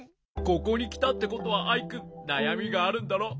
ここにきたってことはアイくんなやみがあるんだろう？